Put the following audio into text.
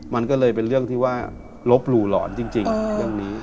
มันก็เลยเป็นเรื่องที่ว่าลบหลู่หลอนจริงเรื่องนี้